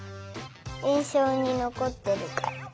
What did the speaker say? いんしょうにのこってるから。